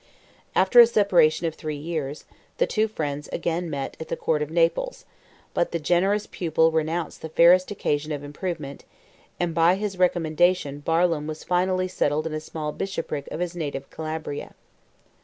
After a separation of three years, the two friends again met in the court of Naples: but the generous pupil renounced the fairest occasion of improvement; and by his recommendation Barlaam was finally settled in a small bishopric of his native Calabria.